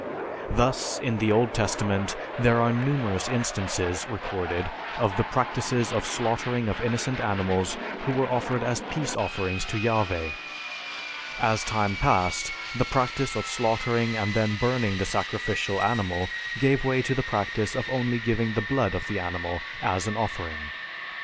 Thus, in the Old Testament, there are numerous instances recorded of the practices of slaughtering of innocent animals who were offered as peace offerings to Yahveh. As time passed, the practice of slaughtering and then burning the sacrificial animal gave way to the practice of only giving the blood of the animal as an offering.